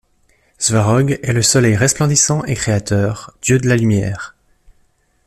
Svarog est le soleil resplendissant et créateur, dieu de la lumière.